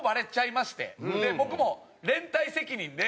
僕も連帯責任で。